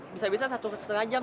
wah ini sih lumayan jauh bu